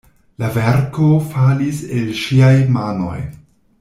La verko falis el ŝiaj manoj.